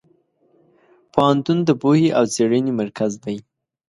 پوهنتون د پوهې او څېړنې مرکز دی.